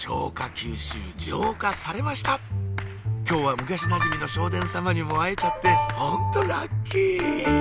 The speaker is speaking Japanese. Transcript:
吸収浄化されました今日は昔なじみの聖天様にも会えちゃってホントラッキー！